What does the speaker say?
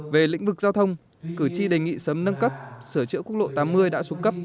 về lĩnh vực giao thông cử tri đề nghị sớm nâng cấp sửa chữa quốc lộ tám mươi đã xuống cấp